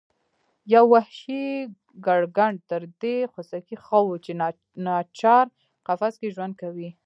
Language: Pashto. یو وحشي ګرګدن تر دې خوسکي ښه و چې ناچار قفس کې ژوند کوي.